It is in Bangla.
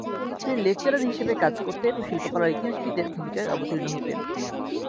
তিনি লেকচারার হিসেবে কাজ করতেন ও শিল্পকলার ইতিহাসবিদের ভূমিকায় অবতীর্ণ হতেন।